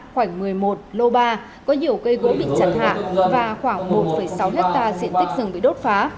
khoảng một mươi một lô ba có nhiều cây gỗ bị chặt hạ và khoảng một sáu hectare diện tích rừng bị đốt phá